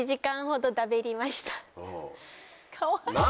かわいい。